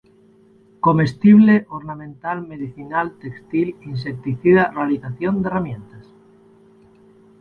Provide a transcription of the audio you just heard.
Comestible, ornamental, medicinal, textil, insecticida, realización de herramientas.